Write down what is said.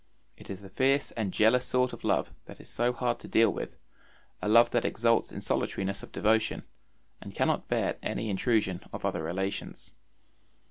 It is the fierce and jealous sort of love that is so hard to deal with, a love that exults in solitariness of devotion, and cannot bear any intrusion of other relations.